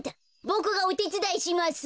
ボクがおてつだいします。